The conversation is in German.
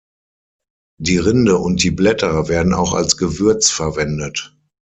Die Rinde und die Blätter werden auch als Gewürz verwendet.